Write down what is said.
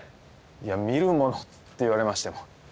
いや見るものって言われましても。